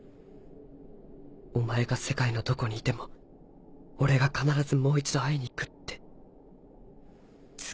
お前が世界のどこにいても俺が必ずもう一度会いに行くって。